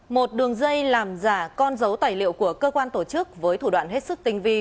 một đường dây làm giả con dấu tài liệu của cơ quan tổ chức với thủ đoạn hết sức tinh vi